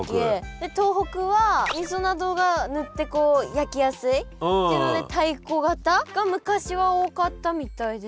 で東北はみそなどが塗って焼きやすいっていうので太鼓型が昔は多かったみたいです。